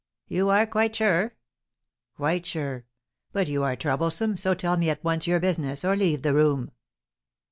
"You are quite sure?" "Quite sure. But you are troublesome, so tell me at once your business, or leave the room."